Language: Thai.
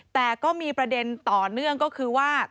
แต่ก็มีประเด็นต่อเนื่องก็คือว่า